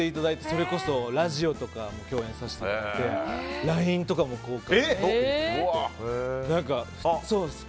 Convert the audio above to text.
それこそラジオとかでも共演させていただいてＬＩＮＥとかも交換して。